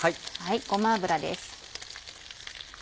ごま油です。